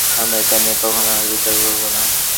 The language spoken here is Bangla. আমরা এটা নিয়ে কখনও আর বিতর্ক করব না।